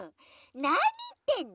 なにいってんの？